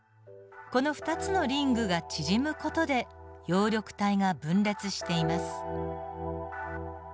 この２つのリングが縮む事で葉緑体が分裂しています。